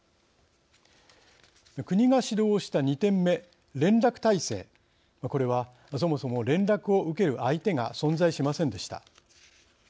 国が指導をした２点目連絡体制、これはそもそも連絡を受ける相手が存在しませんでした。